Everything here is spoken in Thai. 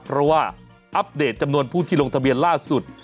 เพราะว่าอัปเดตจำนวนผู้ที่ลงทะเบียนล่าสุด